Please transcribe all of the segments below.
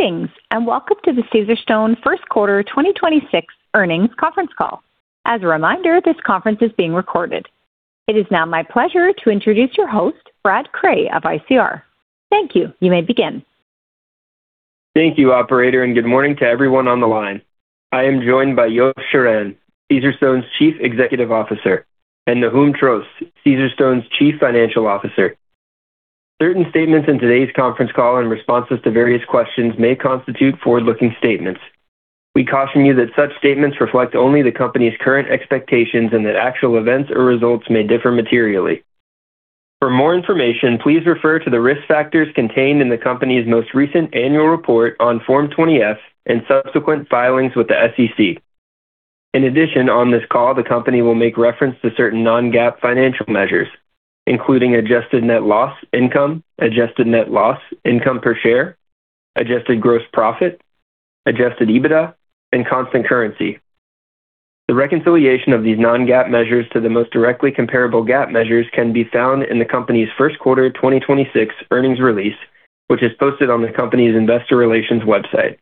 Greetings, and welcome to the Caesarstone first quarter 2026 earnings conference call. As a reminder, this conference is being recorded. It is now my pleasure to introduce your host, Brad Cray of ICR. Thank you. You may begin. Thank you, operator, and good morning to everyone on the line. I am joined by Yos Shiran, Caesarstone's Chief Executive Officer, and Nahum Trost, Caesarstone's Chief Financial Officer. Certain statements in today's conference call and responses to various questions may constitute forward-looking statements. We caution you that such statements reflect only the company's current expectations and that actual events or results may differ materially. For more information, please refer to the risk factors contained in the company's most recent annual report on Form 20-F and subsequent filings with the SEC. On this call, the company will make reference to certain non-GAAP financial measures, including adjusted net loss income, adjusted net loss income per share, adjusted gross profit, adjusted EBITDA, and constant currency. The reconciliation of these non-GAAP measures to the most directly comparable GAAP measures can be found in the company's first quarter 2026 earnings release, which is posted on the company's investor relations website.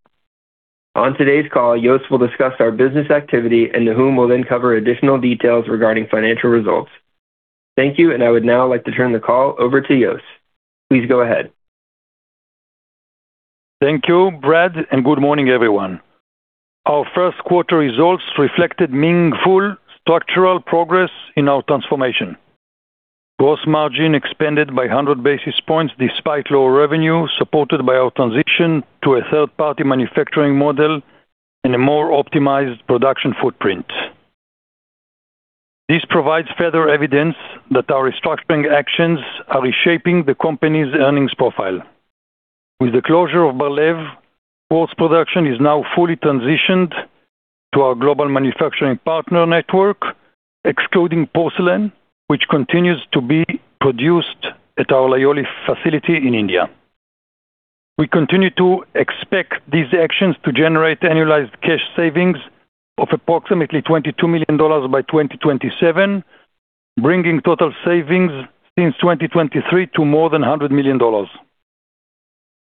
On today's call, Yos will discuss our business activity, and Nahum Trost will then cover additional details regarding financial results. Thank you, and I would now like to turn the call over to Yos. Please go ahead. Thank you, Brad, good morning, everyone. Our first quarter results reflected meaningful structural progress in our transformation. Gross margin expanded by 100 basis points despite lower revenue, supported by our transition to a third-party manufacturing model and a more optimized production footprint. This provides further evidence that our restructuring actions are reshaping the company's earnings profile. With the closure of Bar-Lev, quartz production is now fully transitioned to our global manufacturing partner network, excluding porcelain, which continues to be produced at our Lioli facility in India. We continue to expect these actions to generate annualized cash savings of approximately $22 million by 2027, bringing total savings since 2023 to more than $100 million.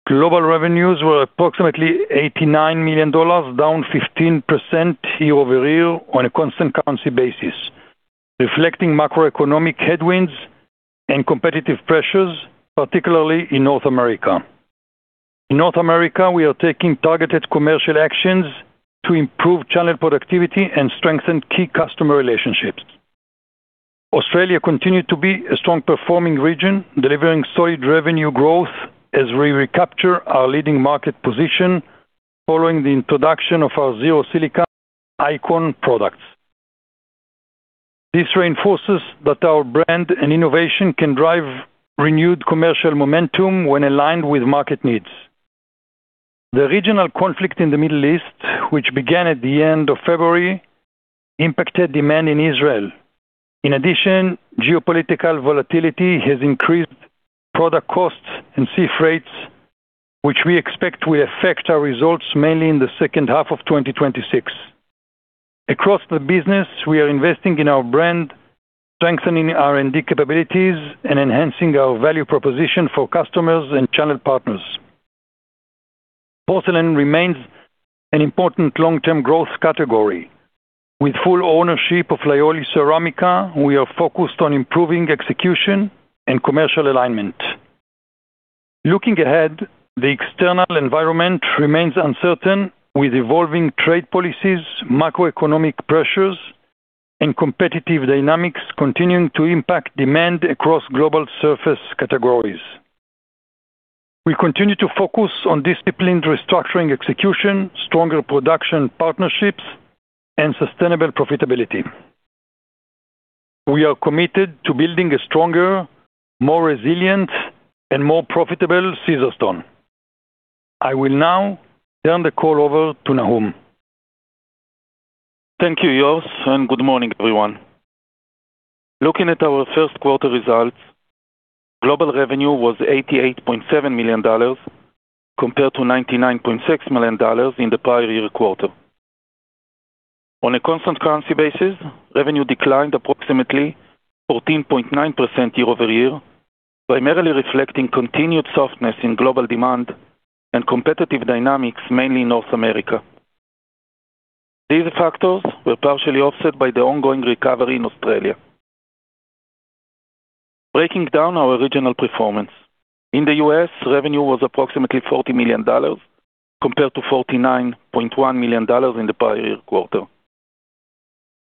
Global revenues were approximately $89 million, down 15% year-over-year on a constant currency basis, reflecting macroeconomic headwinds and competitive pressures, particularly in North America. In North America, we are taking targeted commercial actions to improve channel productivity and strengthen key customer relationships. Australia continued to be a strong performing region, delivering solid revenue growth as we recapture our leading market position following the introduction of our zero silica ICON products. This reinforces that our brand and innovation can drive renewed commercial momentum when aligned with market needs. The regional conflict in the Middle East, which began at the end of February, impacted demand in Israel. In addition, geopolitical volatility has increased product costs and sea freights, which we expect will affect our results mainly in the second half of 2026. Across the business, we are investing in our brand, strengthening R&D capabilities, and enhancing our value proposition for customers and channel partners. Porcelain remains an important long-term growth category. With full ownership of Lioli Ceramica, we are focused on improving execution and commercial alignment. Looking ahead, the external environment remains uncertain, with evolving trade policies, macroeconomic pressures, and competitive dynamics continuing to impact demand across global surface categories. We continue to focus on disciplined restructuring execution, stronger production partnerships, and sustainable profitability. We are committed to building a stronger, more resilient, and more profitable Caesarstone. I will now turn the call over to Nahum. Thank you, Yos, and good morning, everyone. Looking at our first quarter results, global revenue was $88.7 million compared to $99.6 million in the prior year quarter. On a constant currency basis, revenue declined approximately 14.9% year-over-year, primarily reflecting continued softness in global demand and competitive dynamics, mainly in North America. These factors were partially offset by the ongoing recovery in Australia. Breaking down our regional performance. In the U.S., revenue was approximately $40 million compared to $49.1 million in the prior year quarter.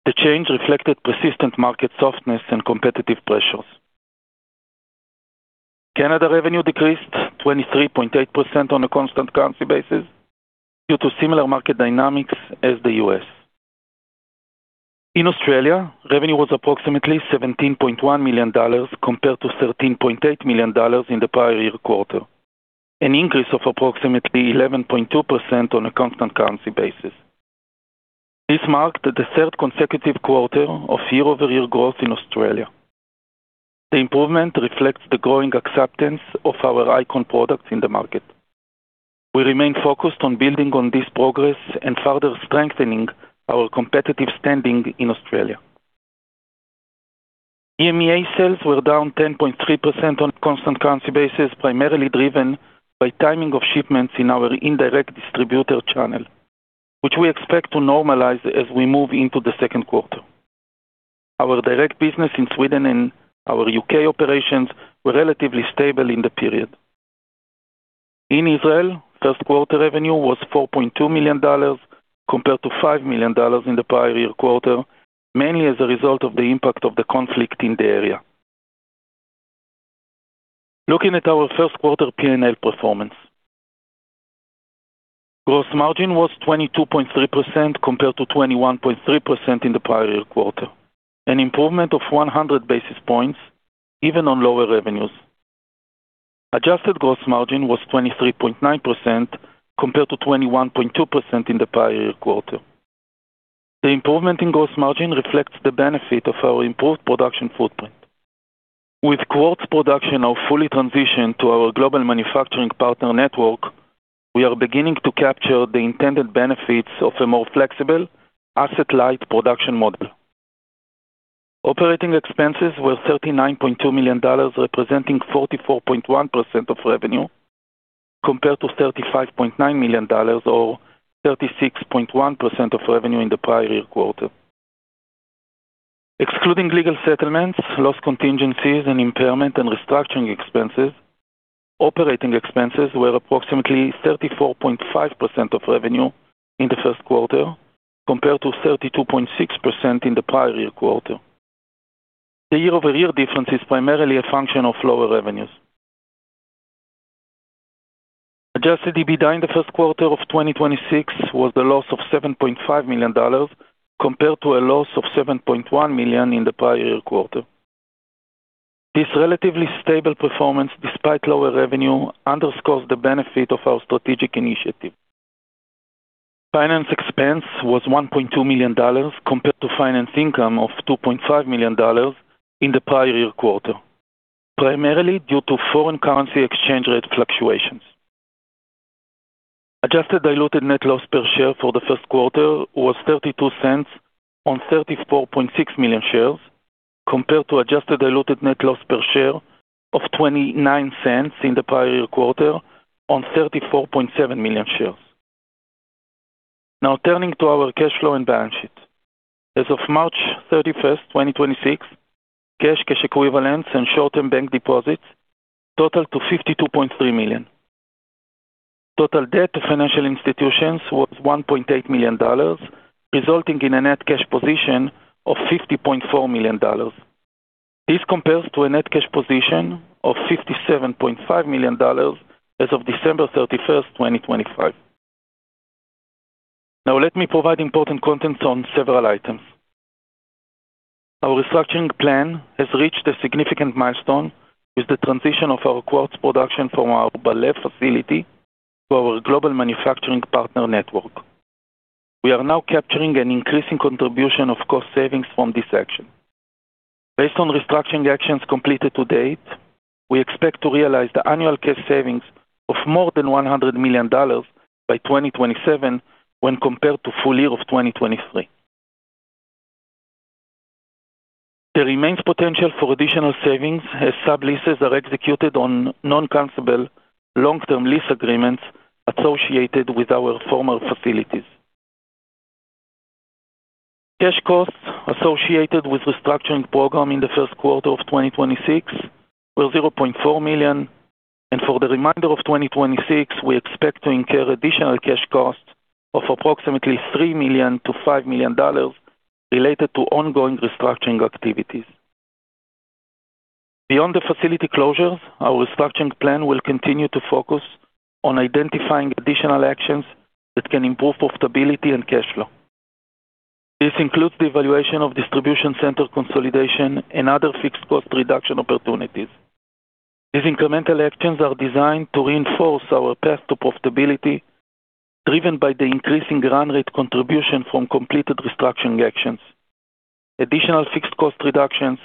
The change reflected persistent market softness and competitive pressures. Canada revenue decreased 23.8% on a constant currency basis due to similar market dynamics as the U.S. In Australia, revenue was approximately $17.1 million compared to $13.8 million in the prior year quarter, an increase of approximately 11.2% on a constant currency basis. This marked the third consecutive quarter of year-over-year growth in Australia. The improvement reflects the growing acceptance of our ICON products in the market. We remain focused on building on this progress and further strengthening our competitive standing in Australia. EMEA sales were down 10.3% on a constant currency basis, primarily driven by timing of shipments in our indirect distributor channel, which we expect to normalize as we move into the second quarter. Our direct business in Sweden and our U.K. operations were relatively stable in the period. In Israel, first quarter revenue was $4.2 million compared to $5 million in the prior year quarter, mainly as a result of the impact of the conflict in the area. Looking at our first quarter P&L performance. Gross margin was 22.3% compared to 21.3% in the prior year quarter, an improvement of 100 basis points even on lower revenues. Adjusted gross margin was 23.9% compared to 21.2% in the prior year quarter. The improvement in gross margin reflects the benefit of our improved production footprint. With Quartz production now fully transitioned to our global manufacturing partner network, we are beginning to capture the intended benefits of a more flexible asset-light production model. Operating expenses were $39.2 million, representing 44.1% of revenue, compared to $35.9 million or 36.1% of revenue in the prior year quarter. Excluding legal settlements, loss contingencies, and impairment and restructuring expenses, operating expenses were approximately 34.5% of revenue in the first quarter compared to 32.6% in the prior year quarter. The year-over-year difference is primarily a function of lower revenues. Adjusted EBITDA in the first quarter of 2026 was a loss of $7.5 million compared to a loss of $7.1 million in the prior year quarter. This relatively stable performance, despite lower revenue, underscores the benefit of our strategic initiative. Finance expense was $1.2 million compared to finance income of $2.5 million in the prior year quarter, primarily due to foreign currency exchange rate fluctuations. Adjusted diluted net loss per share for the first quarter was $0.32 on 34.6 million shares compared to adjusted diluted net loss per share of $0.29 in the prior year quarter on 34.7 million shares. Now turning to our cash flow and balance sheet. As of March 31, 2026, cash equivalents, and short-term bank deposits totaled to $52.3 million. Total debt to financial institutions was $1.8 million, resulting in a net cash position of $50.4 million. This compares to a net cash position of $57.5 million as of December 31st, 2025. Let me provide important context on several items. Our restructuring plan has reached a significant milestone with the transition of our Quartz production from our Bar-Lev facility to our global manufacturing partner network. We are now capturing an increasing contribution of cost savings from this action. Based on restructuring actions completed to date, we expect to realize the annual cash savings of more than $100 million by 2027 when compared to full year of 2023. There remains potential for additional savings as subleases are executed on non-cancelable long-term lease agreements associated with our former facilities. Cash costs associated with restructuring program in the first quarter of 2026 were $0.4 million, and for the remainder of 2026, we expect to incur additional cash costs of approximately $3 million-$5 million related to ongoing restructuring activities. Beyond the facility closures, our restructuring plan will continue to focus on identifying additional actions that can improve profitability and cash flow. This includes the evaluation of distribution center consolidation and other fixed cost reduction opportunities. These incremental actions are designed to reinforce our path to profitability, driven by the increasing run rate contribution from completed restructuring actions, additional fixed cost reductions,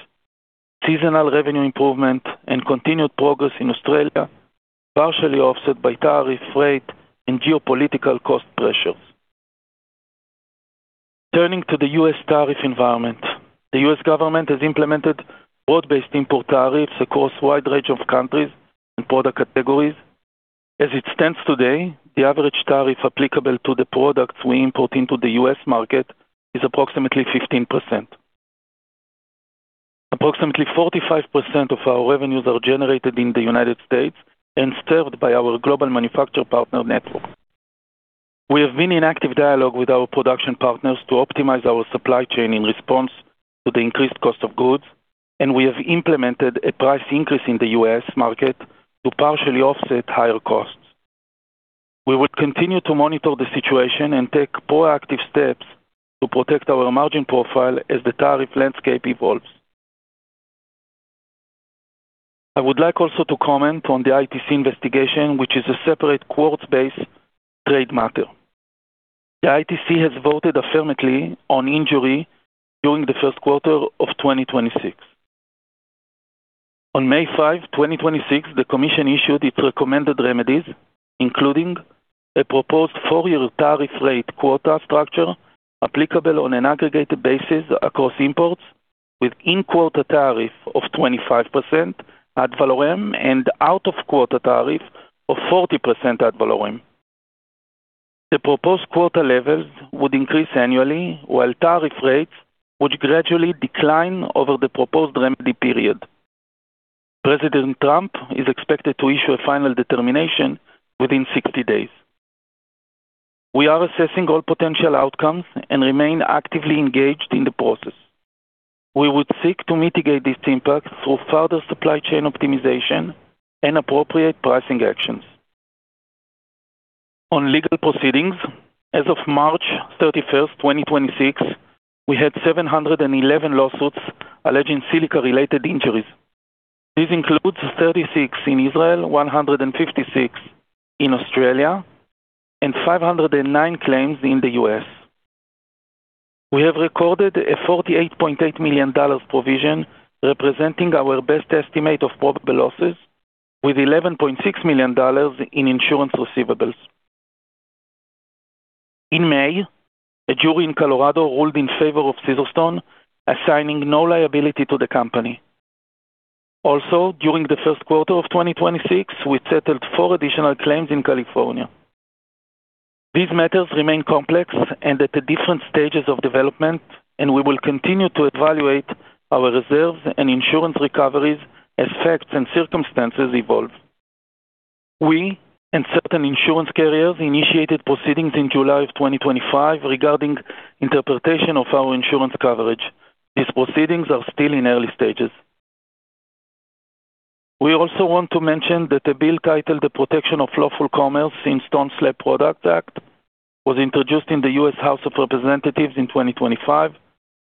seasonal revenue improvement, and continued progress in Australia, partially offset by tariff, freight, and geopolitical cost pressures. Turning to the U.S. tariff environment. The U.S. government has implemented broad-based import tariffs across a wide range of countries and product categories. As it stands today, the average tariff applicable to the products we import into the U.S. market is approximately 15%. Approximately 45% of our revenues are generated in the United States and served by our global manufacturer partner network. We have been in active dialogue with our production partners to optimize our supply chain in response to the increased cost of goods, and we have implemented a price increase in the U.S. market to partially offset higher costs. We will continue to monitor the situation and take proactive steps to protect our margin profile as the tariff landscape evolves. I would like also to comment on the ITC investigation, which is a separate Quartz-based trade matter. The ITC has voted affirmatively on injury during the first quarter of 2026. On May 5, 2026, the commission issued its recommended remedies, including a proposed four-year tariff rate quota structure applicable on an aggregated basis across imports with in-quota tariff of 25% ad valorem and out-of-quota tariff of 40% ad valorem. The proposed quota levels would increase annually, while tariff rates would gradually decline over the proposed remedy period. President Trump is expected to issue a final determination within 60 days. We are assessing all potential outcomes and remain actively engaged in the process. We would seek to mitigate this impact through further supply chain optimization and appropriate pricing actions. On legal proceedings, as of March 31st, 2026, we had 711 lawsuits alleging silica-related injuries. This includes 36 in Israel, 156 in Australia, and 509 claims in the U.S. We have recorded a $48.8 million provision representing our best estimate of probable losses with $11.6 million in insurance receivables. In May, a jury in Colorado ruled in favor of Caesarstone, assigning no liability to the company. Also, during the first quarter of 2026, we settled four additional claims in California. These matters remain complex and at the different stages of development, and we will continue to evaluate our reserves and insurance recoveries as facts and circumstances evolve. We and certain insurance carriers initiated proceedings in July of 2025 regarding interpretation of our insurance coverage. These proceedings are still in early stages. We also want to mention that a bill titled The Protection of Lawful Commerce in Stone Slab Products Act was introduced in the U.S. House of Representatives in 2025.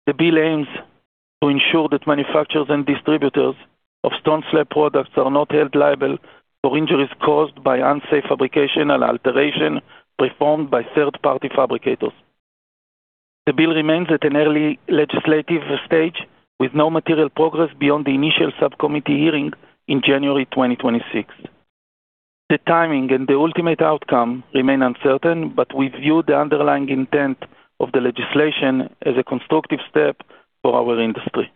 The bill aims to ensure that manufacturers and distributors of stone slab products are not held liable for injuries caused by unsafe fabrication and alteration performed by third-party fabricators. The bill remains at an early legislative stage with no material progress beyond the initial subcommittee hearing in January 2026. The timing and the ultimate outcome remain uncertain, but we view the underlying intent of the legislation as a constructive step for our industry.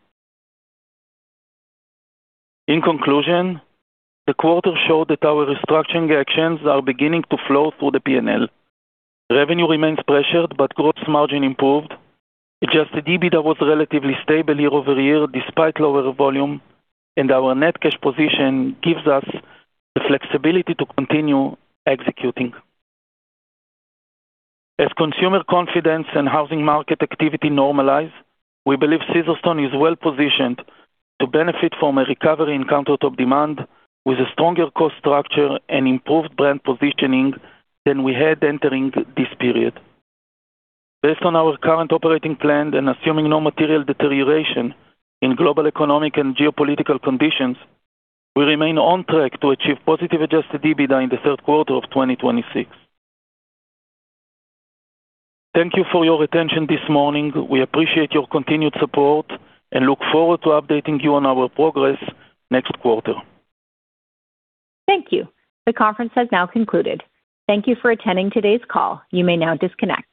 In conclusion, the quarter showed that our restructuring actions are beginning to flow through the P&L. Revenue remains pressured, but gross margin improved. Adjusted EBITDA was relatively stable year-over-year despite lower volume, and our net cash position gives us the flexibility to continue executing. As consumer confidence and housing market activity normalize, we believe Caesarstone is well-positioned to benefit from a recovery in countertop demand with a stronger cost structure and improved brand positioning than we had entering this period. Based on our current operating plan and assuming no material deterioration in global economic and geopolitical conditions, we remain on track to achieve positive adjusted EBITDA in the third quarter of 2026. Thank you for your attention this morning. We appreciate your continued support and look forward to updating you on our progress next quarter. Thank you. The conference has now concluded. Thank you for attending today's call. You may now disconnect.